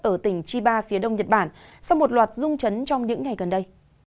ở tỉnh chiba phía đông nhật bản sau một loạt rung chấn trong những ngày gần đây